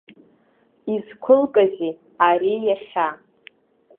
Изқәылкызеи ари иахьа?!